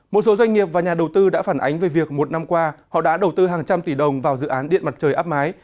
một số doanh nghiệp và nhà đầu tư đã phản ánh về việc một năm qua họ đã đầu tư hàng trăm tỷ đồng vào dự án điện mặt trời áp mái